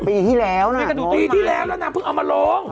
ปีที่แล้วนางปีที่แล้วแล้วนางเพิ่งเอามาลง